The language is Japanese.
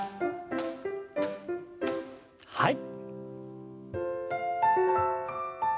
はい。